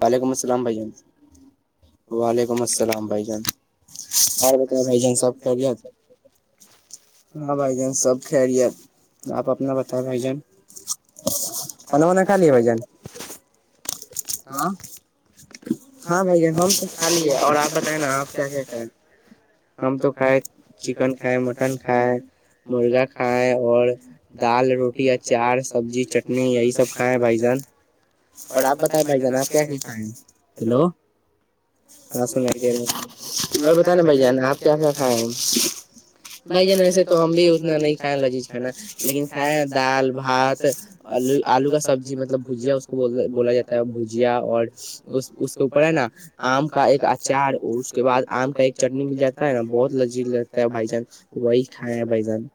وعلیکم السلام بھائی جان وعلیکم السلام بھائی جان اور بت بھائی جان صاحب خ ہاں بھ جان سب ک ریے آپ اپنا بتا بھ جن کھانا وانا کھا لے بھ جن ہاں ہاں بھیا ہم تو خالی ہے اور آپ بتائے نا آپ کیا کہتے ہیں [unintelligible] ہم تو کھائے چکن کھائے مٹن کھائے مرغا کھائے اور دال روٹی چار سبزی چٹنی یہی سب کھائےیں بھائی جان اور آپ بھائی جانب آ کیا کہ ہیں ہلو ہسم د رہا بے اور بت نا بھیا آپ [unintelligible] سا کھائے بھائی جان ایسے تو ہم بھی اتنا نہیں کھ لجی کھانا لیکن کھائے دال بھاتو آلو کا سبزی مطلب بھجیا اس کو بولا جاتا ہے بھجیا اور اس کے اوپر ہے نا آم کا ایک اچار اور اس کے بعد آم کا ایک چٹنی مل جاتی نا بہت لذیذ لگتا ہے بھائی جان وہی کھائے ہیں بھ جن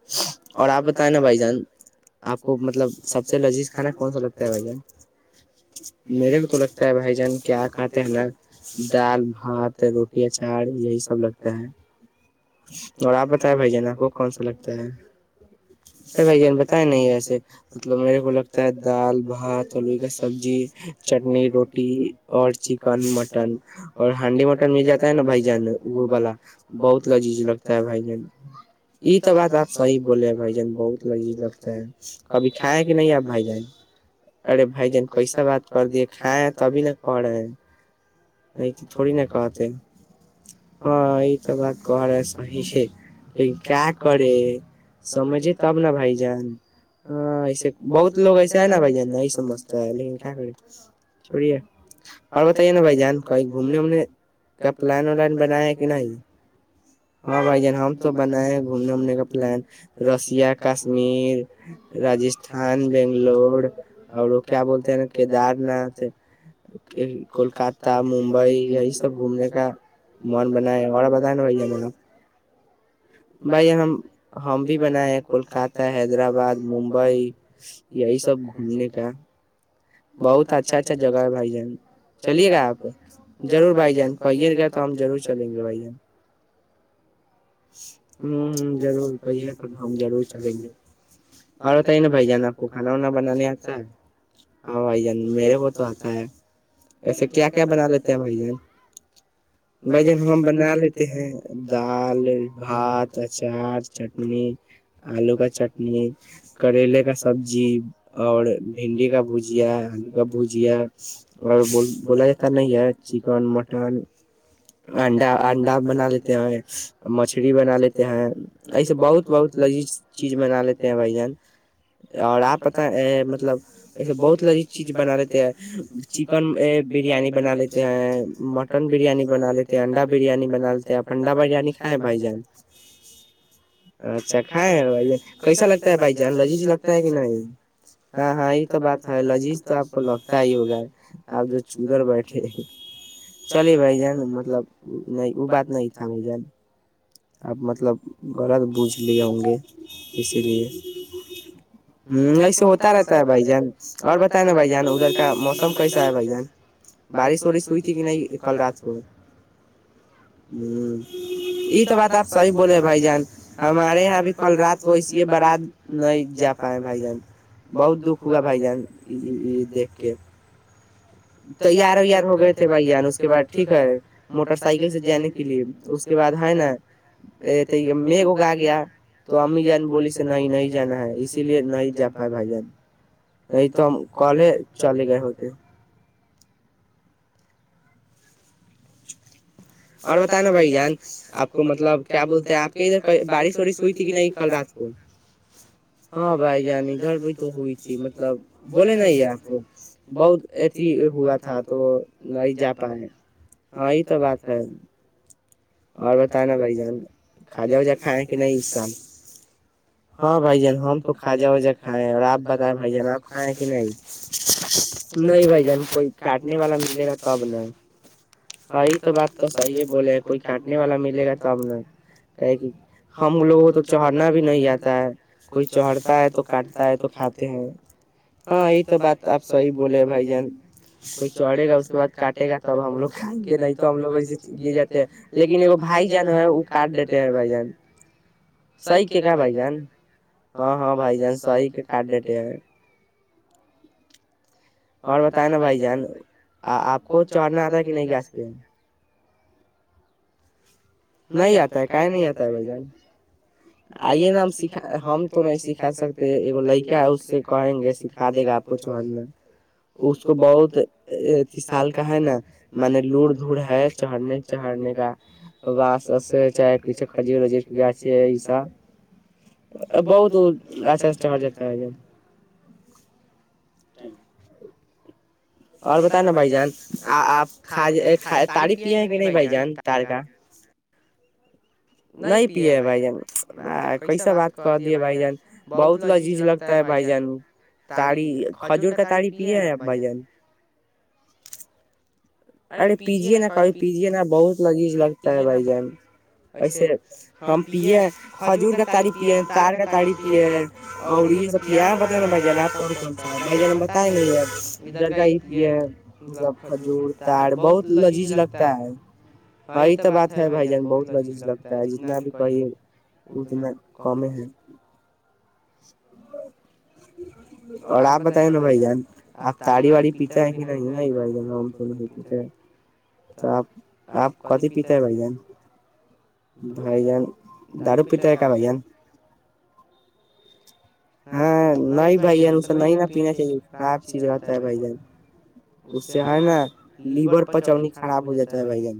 اور آپ بتیں نا بھائی جان آپ کو مطلب سب سے لذیذ کھانا کون سا لگتا ہے بھ جن میرے بھی تو لگتا ہے بھائی جان کیا کھاتے ہیں نا دال بات روٹییا چار یہی سب ر اور آپ بتائے بھائی جان آپ کو کون سا لگتا ہےر بھائی جان بتائے نہیں ایسے مطلب میرے کو لگتا ہے دال بھات اورلو کا سبزی چٹنی روٹی اور چکن مٹن مٹن اور ہانڈی مٹن مل جاتا ہے نا بھائی جان وہ والا بہت لذیذ لگتا ہے بھائی جن یہ تو بات آپ صحیح بولے ہیں بھائی جن بہت لذیذ لگتا ہے کبھی کھائےیں کہ نہیں آپ بھائی جن ارے بھائی جان کیسا بات کر دیے کھائے ہیں تبھی ن پڑ رہے ہیں نہیں تو تھوڑی ن کہات ہے ہاں س بات کر رہا صحیح ہے لیکن کیا کرے سمجھے تب ن بھائی جان ہ ایسے بہت لوگ ایسے ہے نا بھ جان نہیں سمجھتا ہے لیکن کیا کرے چڑیے اور بت ہی نا بھائی جان کو گھومنے وومنے کا پلان ولان بنایا کہ نہیں ہاں بھائی جان ہم تو بنائے ہیں گھومنے وومنے کا پلان رسیا کشمیر راجستھان بنگلور اور وہ کیا بولتے ہیں نا کیدار ناتھ کلکاتہ ممبئی یہی سب گھومنے کا من بنایا اور ب ان و ما بھائی جان ہم ہم بھی بناائے ہیں کولکاتہ حیدرآباد ممبئی یہی سب گھومنے کا بہت اچھا اچھا جگہ ہے بھائی جان چلیے گا آپ رور بھائی جان کہیے گا تو ہم ضرور چلیں گے بھائی جان ہ ہ ضرور ب سب ہم ضرور چلیں گے اور بتائی نا بھائی جان آپ کو کھانا وانا بنانے آتا ہے ہاں بھائی جان میرے کو تو آتا ہے ایسے کیا کیا بنا لیتے ہیں بھائی جان بھائی جان ہم بنا لیتے ہیں دال بھات اچار چٹنی آلو کا چٹنی کریلے کا سبزی اور بھنڈی کا بھجیا آلو کا بھجیا اور ب بولا جاتا نہیں ہے چکن مٹن انڈا انڈا بنا لیتے ہیں مچھ [unintelligible] کری بنا لیتے ہیں ایسے بہت بہت لذیذ چیز بنا لیتے ہیں بھ جن اور آپ پت مطلب ایسے بہت لذیذ چیز بنا لیتے ہیں چکن بریانی بنا لیتے ہیں مٹن بریانی بنا لیتے ہیں انڈا بریانی بنا لیتےپ انڈا بریانی [unintelligible] بھائی جان اچھا کھائے ہیں بھائی ج کیسا لگتا ہے بھائی جان لذیذ لگتا ہے کہ نہیں ہاں ہاں یہ تو بات ہے لذیذ تو آپ کو لگتا ہی ہوگا آپ جو چدر بیٹھے چلیے بھائی جان مطلب نہیں وہ بات نہیں تھا بھائی جان [unintelligible] اپ مطلب غلط بوجھ لیے ہوں گے اسی لیے ہ ایسے ہوتا رہتا ہے بھائی جان اور بتائے نا بھ جان ادھر کا موسم کیسا ہے بھائی جان بارش وارش ہوئی تھی کہ نہیں کل رات کو ہ [unintelligible] ایک [unintelligible] تو بات آپ سی بولے بھائی جان ہمارے یہاں اب کل رات وہ ایے برات نہیں جا پائے بھائی جان بہت دکھ ہوا بھائی جان یہ دیکھ کے تیار ویار ہو گئے تھے بھائی جان اس کے بعد ٹھیک ہے موٹر سائیکل سے جانے کے لیے [unintelligible] بد ہے نا [unintelligible] م کو گا گیا تو امی جان بولی سے نہیں نہیں جانا ہے اسی لیے نہیں جا پائے بھائی جان نہیں تو ہم کالے چلے گئے ہوتے اور بت نا بھائی جان آپ کو مطلب کیا بولتے ہیں آپ کے ادھر بارش وارش ہوئی تھی کہ نہیں کل رات کو ہاں بھائی جان ادھر بھی تو ہوئی تھی مطلب بولے نا یہ آپ کو بہت ای ہوا تھا تو نہیں جا پائے ہاں یہ تو بات [unintelligible] ہاں [unintelligible] اور بتائے نا بھ جان کھاجا وجا کھائےیں کہ نہیں سال ہاں بھ جان ہم تو کھاجا وجا کھائےیں اور آپ بتائیں بھ جان آپ کھائیں کہ نہیں نہیں بھائی جان کوئی کاٹنے والا ملے گا تب ن [unintelligible] تو بات تو صحیح ہے بولے کوئی کاٹنے والا ملے گا تب نا کہ ہم لوگوں تو چڑھنا بھی نہیں آاتتا ہے کوئی چڑھتا ہے تو کاٹتا ہے تو کھاتے ہیں ہاں یہ تو بات آپ سحیح بولے بھائی جان کوئی چڑھے گا اس کے بعد کاٹے گا تب ہم لوگ کھائیں گے نہیں [unintelligible] تو ہم لوگ ایے یہے جاتے ہیں لیکن ایکگ بھائی جان ہے وہ کاٹ دیتے ہیں بائی جان سیح کے کا بھائی جان ہاں ہاں بھائی جان سحیح کے کاٹ دیتے ہیں اور بتائ نا بھائی جان آپ کو چڑھنا آتا ہے کہ نہیں گاس پہ نہیں آتا ہے کایں نہیں آتا ہے بھ جان آئیے نا ہم سکھا ہم تو نہیں سکھا سکتے ایک لڑکا ہے اس سے کہیں گے سکھا دے گا آپ کو چڑھنا اس کو بہت سال کا ہے نا م لور دور ہے چڑھنے چڑھنے کا [unintelligible] اس چاہےچ کجور گ ایسا بہت اچھاا ج [unintelligible] ہ [unintelligible] اور بت نا بھائی جان آپھ تاری پیے ہیں کہ نہیں بھائی جان تار کا نہیں پیے ہیں بھائی جان کیسا بات کر دے بھائی جان بہت لذیذ لگتا ہے بھائی جان تڑی کھجور کا تڑی پیے ہیں ا بھائی جان اڑے پی جیے نہ کہ پی جیے نہا بہت لذیذ لگتا ہے بھ جان ایسے ہم پیے کھجور کا تاریی پیے تار کا تڑی پیے اور یہ سب پ بت نا بھائی جان آپ کون کون سا ہے بھائی جان ہم بتائیں گے ادھر کا یہ پیے سب کھجور [unintelligible] تار بہت لذیذ لگتا ہے ہی تو بات ہے بھائی جان بہت بجس لگتا ہے جتنا بھی کہیے اتنا کم ہے [unintelligible] اور آپ بتائیں نا بھائی جان آپ تاریی واڑی پیتا ہے کہ نہیں ہے بھائی جان تو ا تو آپ آپ کتی پیتا بھ جان بھائی جان دارو پیتا ہے کیا بھ جان ہاں نہیں بھائی جان اسے نہیں نا پینا چاہیے خراب چیز رہتا ہے بھائی جان اس سے ہے نا لیور پچونی خراب ہو جاتا ہے بھائی جن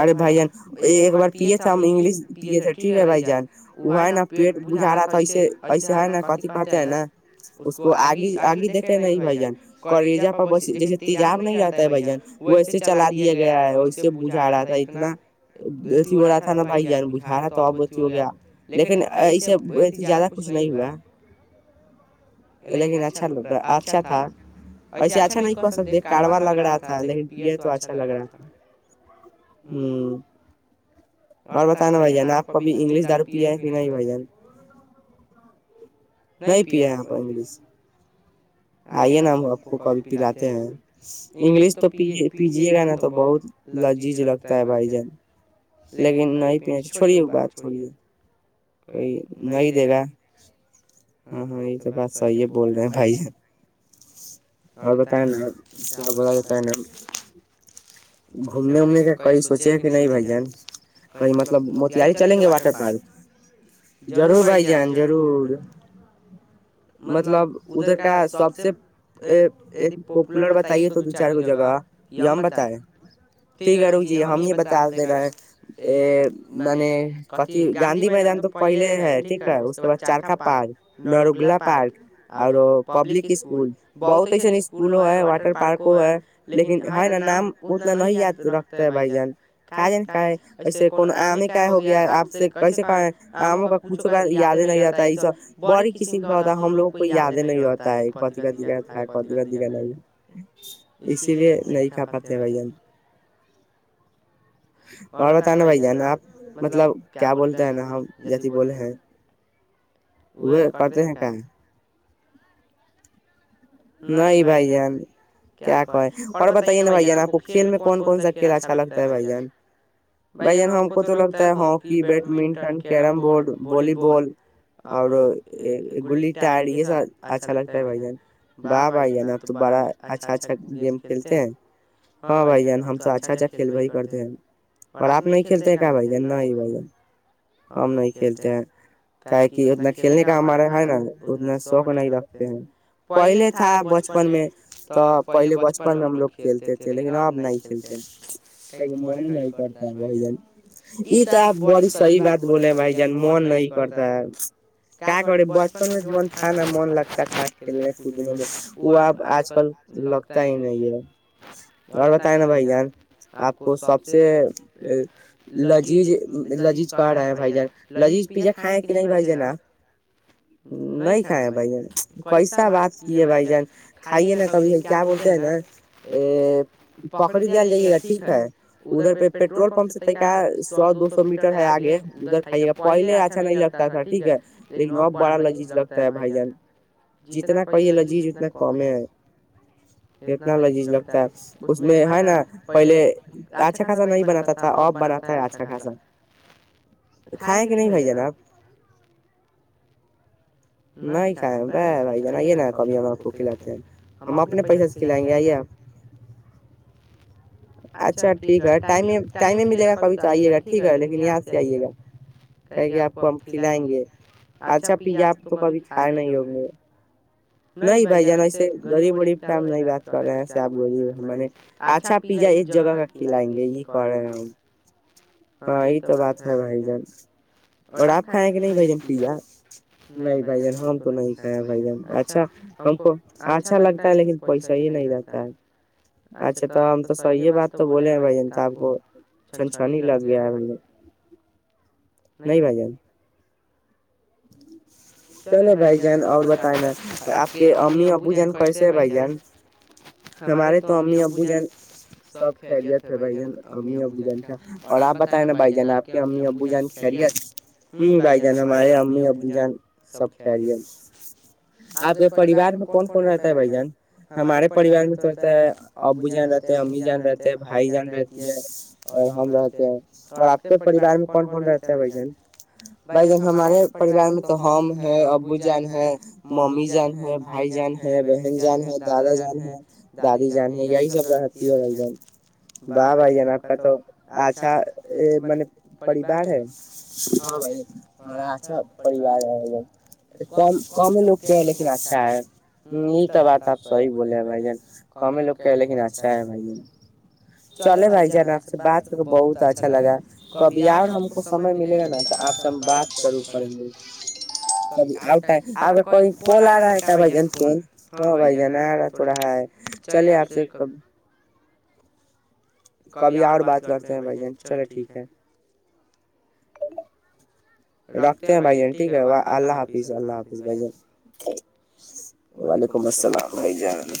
ارے بھ جان ایک بار پیے تھ ہم انگلش پیے تھے ٹھیک ہے بھ جان وہ ہے نا پیٹ بجھا رہا تھا ایسے ایسے ہے نا ک کہتے ہیں نا اس کو آگ آگی دیکھے ن بھ جان کریجا پر بس جیسے تجاب نہیں رہتا ہے بھ جان وہ ایسے چلا دیا گیا ہے ویسے ا رہا تھا اتنا ا ہو رہا تھا ن بھائی بجا رہا تو اب ا ہو گیا لیکن ایے ای زیادہ کچھ نہیں ہوا لیکن اچھاگا اچھا تھا ایسے اچھا نہیں کہ سکتے کاروا لگ رہا تھا لیکن پیے تو اچھا لگ رہا تھا ہ اور بتانا بھ جان آپ کوب انگلش دارو پ ہے پینا ہی بھائی جان نہیں پیا یہ پر انری آئیے نا ہم آپ کو کبھی پلاتے ہیں انگلش تو پی پیجیے گا نا تو بہت لذیذ لگتا ہے بھائی جان لیکن نہیں پ چوڑیے بات تھڑی کوئی نہیں دے گا ہاں ہاں یہ تو بات صحی ہے بول رہے ہیں بھائی اور بتیں نا کیا بولا جتا ہے نا گھومنے وومنے کا کہئی سوچے کہ نہیں بھ جان کہیں مطلب موتاری چلیں گے واٹر پارک ضرور بھائی جان ضرور مطلب ادھر کا سب پپولر بتائیے تو دو چار کو جگہ یہ ہم بتائے ٹھیک ہے رک جی ہم یہ بتا دے رہے ہیں ا میں نے کتی گان میدان تو پہلے ہے ٹھیک ہے اس کے بد چارکا پارک نرگلا پارک اور پبلک اسکول بہت ایس اسکول ہے واٹر پارک ہے لیکن ہے نا نام اتنا نہیں یاد رکھتے ہے بھائی جان کہ ج نا کا ایسے کو آم ہی کا ہو گیا آپ سے کیسے کا آموں کا کچھو کا یادیں نہیں رہتا ہے یہ سب بڑی قسم کا ہوتا ہے ہم لوگوں کو یادیں نہیں رہتا ہے کدھی ک د کا تھا کدھی ک گ ن بھی اسی بھی نہیں کھا پاتے بھائی جان اور بتانا بھائییا نا آپ مطلب کیا بولتے ہیں نا ہم سی بولے ہیں ا کتے ہیں کہ نہیں بھائی جن کیا کہے اور بتائیے نا بھ جان آپ کو کھیل میں کون کون سا کھیل اچھا لگتا ہے بھ جان بھ جان ہم کو تو لگتا ہے hockey badminton carrom board volleyball اور گ ٹائر یہ سب اچھا لگتا ہے بھائی جن واہ بھائی جان اب تو بڑا اچھا اچھا گیم کھیلتے ہیں ہاں بھائی جان ہم تو اچھا اچھا کھیل ب ہی کرتے ہیں اور آپ نہیں کھیلتے کیا بھائی ج نہیں بھائی ہم نہیں کھیلتے ہیں کا کہ اتنا کھیلنے کا ہمارا ہے نا اتنا شوق نہیں رکھتے ہیں پہل تھا بچپن میں تو پہلے بچپن میں ہم لوگ کھیلتے تھے لیکن اب نہیں کھیلتے من نہیں کرتا ہے بھائی جان یہ تو آپ بڑی صحیح بات بولے بھائی جان من نہیں کرتا ہے کیا کرے بچپن میں جون تھا نا من لگتا تھا کھیلنے وہ آپ آج کل لگتا ہی نہیں ہے اور بتائے نا بھائی جان آپ کو سب سے لذیذ لذیذ پ رہے ہیں بھائی جان لذیذ پزا کھائےیں کہ نہیں بھائی جان آپ نہیں کھائے بھائی جان کیسا بات ے بھائی جان کھائیے نا کبھی ہے کیا بولتے ہیں نا پکڑی جل جائیے گا ٹھیک ہے ادھر پہ پیٹرول پمپ سے تو کیا سو دو سو میٹر ہے آگے ادھر کھائیے گا پہلے اچھا نہیں لگتا تھا ٹھیک ہے لیکن اب بڑا لذیذ لگتا ہے بھائی جان جتنا کہی لذیذ اتنا کم ہے اتنا لذیذ لگتا ہے اس میں ہے نا پہلے اچھا خاصا نہیں بناتا تھا اب بناتا ہے اچھا خاصا کھائیں کہ نہیں بھائی ج ناب نہیں کیں ب بھائی جان ے نا کبھی ہم آپ کو کھلاتے ہیں ہم اپنے پیسے سے کھلائیں گے آئیے آپ اچھا ٹھیک ہے ٹائم ٹائم ملے گا کبھی تو آئیے گا ٹھیک ہے لیکن یہاں سے آئیے گا کہ گے آپ کو ہم کھلائیں گے اچھا پزا آپ تو کبھی کھائے نہیں ہوں گے نہیں بھ جان ایسے غریب غریب کا ہم نہیں بات کر رہے ہیں ایسے آپ غریب ہیں میں نے اچھا پزا اس جگہ کا کھلائیں گے یہ کر رہے ہیں ہم ہاں یہ تو بات ہے بھائی جان اور آپ کھائیں کہ نہیں بھ جان پزا نہیں بھ جان ہم تو نہیں کھائیں بھائی جان اچھا ہم کو اچھا لگتا ہے لیکن پیسہ ہی نہیں رہتا ہے اچھا تو ہم تو صحیح بات تو بولے ہیں بھائی جن تو آپ کو چھن چھن ہی لگ گیا ہے بھ جن نہیں بھ جان چلو بھائی جان اور ب بت نا آپ کے امی ابو جان کیسے ہے بھائی جان ہمارے تو امی ابو جان سب خریت ہے بھائی جان امی ابو جان کا اور آپ بتائے نا بھائی جان آپ کے امی ابو جان خریت ہ بھائی جان ہمارے امی ابو جان سب کیریل آپ کے پریوار میں کون کون رہتا ہے بھ جن ہمارے پریوار میں تو رہتا ہے ابو جان رہتے ہیں امی جان رہتے ہیں بھائی جان رہتی ہے اور ہم رہتے ہیں اور آپ کے پریوار میں کون کون رہتا ہے بھ جن بھ جن ہمارے پریوار میں تو ہم ہے ابو جان ہے ممی جان ہے بھائی جان ہے بہن جان ہے دادا جان ہے دادی جان ہے یہی سب رہتی ہے بھائی جان واہ بھائی جان آپ کا تو اچھا م پریوار ہے ہ بھائی ج اورا اچھا پریوار ہے ایک کم کم لگ کہ لیکن اچھا ہے یہ تو بات آپ سحی بولے ہیں بھائی جان کم لگ کہ لیکن اچھا ہے بھائی جان چلے بھائی جان آپ سے بات کر کے بہت اچھا لگا کبھی اور ہم کو سمے ملے گا نا تو آپ سے ہم بات شرو کریں گے کبھی آؤٹ [unintelligible] آپ کو کال آ رہا ہے کیا بھائی جان فون ہاں بھائی جان آ رہا تھ رہا ہے چلے آپ سے کب کبھی اور بات کرتے ہیں بھائی جان چلے ٹھیک ہے رکھتے ہیں بھائی جان ٹھیک ہے اللہ حافظ اللہ حافظ بھائی جان وعلیکم السلام بھائی جان